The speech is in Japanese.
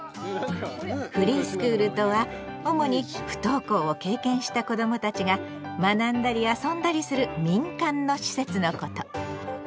フリースクールとは主に不登校を経験した子どもたちが学んだり遊んだりする民間の施設のこと。